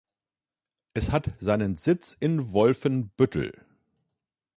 Es hat seinen Sitz in Wolfenbüttel.